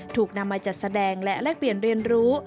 ถูกนำมาจัดแสดงและแลกเปลี่ยนเรียนรู้